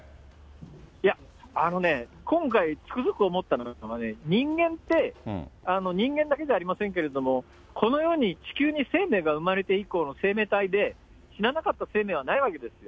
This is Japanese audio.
いや、あのね、今回、つくづく思ったのは、人間って、人間だけじゃありませんけれども、この世に、地球に生命が生まれて以降の生命体で、死ななかった生命はないわけですよ。